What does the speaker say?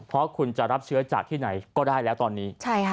เพราะคุณจะรับเชื้อจากที่ไหนก็ได้แล้วตอนนี้